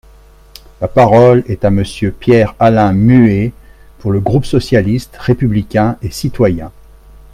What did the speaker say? La parole est à Monsieur Pierre-Alain Muet, pour le groupe socialiste, républicain et citoyen.